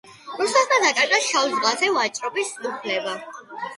რუსეთმა დაკარგა შავ ზღვაზე ვაჭრობის უფლება.